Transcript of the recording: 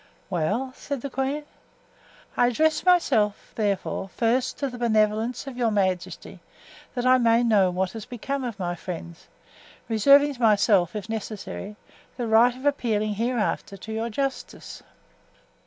"Well?" said the queen. "I address myself, therefore, first to the benevolence of your majesty, that I may know what has become of my friends, reserving to myself, if necessary, the right of appealing hereafter to your justice."